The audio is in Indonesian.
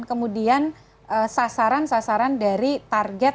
kemudian sasaran sasaran dari target